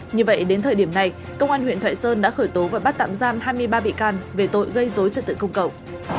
như vậy đến thời điểm này công an huyện thoại sơn đã khởi tố và bắt tạm giam hai mươi ba bị can về tội gây dối trật tự công cộng